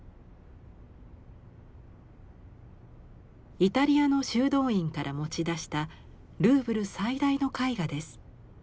イタリアの修道院から持ち出したルーブル最大の絵画です。